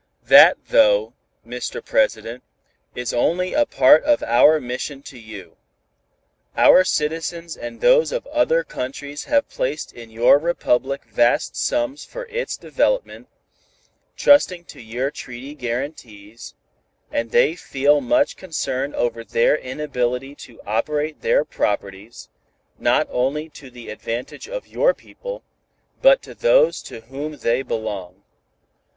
"That, though, Mr. President, is only a part of our mission to you. Our citizens and those of other countries have placed in your Republic vast sums for its development, trusting to your treaty guarantees, and they feel much concern over their inability to operate their properties, not only to the advantage of your people, but to those to whom they belong.